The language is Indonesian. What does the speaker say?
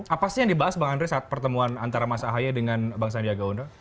apa sih yang dibahas bang andre saat pertemuan antara mas ahy dengan bang sandiaga uno